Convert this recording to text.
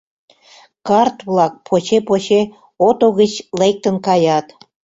Карт-влак поче-поче ото гыч лектын каят.